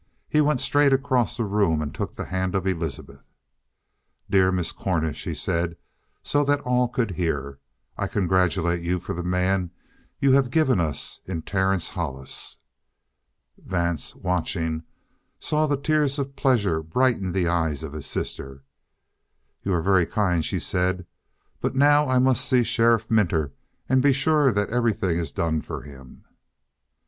He went straight across the room and took the hand of Elizabeth. "Dear Miss Cornish," he said so that all could hear, "I congratulate you for the man you have given us in Terence Hollis." Vance, watching, saw the tears of pleasure brighten the eyes of his sister. "You are very kind," she said. "But now I must see Sheriff Minter and be sure that everything is done for him."